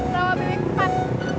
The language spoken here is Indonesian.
bawa bibir kepat